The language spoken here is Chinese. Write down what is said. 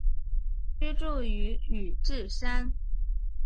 居住于宇治山。